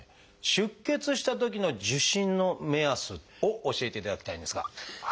出血したときの受診の目安を教えていただきたいんですが。